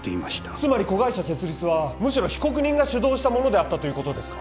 つまり子会社設立はむしろ被告人が主導したものであったということですか？